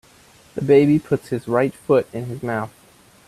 The baby puts his right foot in his mouth.